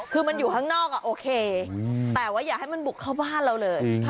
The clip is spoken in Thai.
คือมันอยู่ข้างนอกโอเคแต่ว่าอย่าให้มันบุกเข้าบ้านเราเลย